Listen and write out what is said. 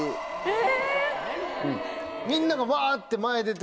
え！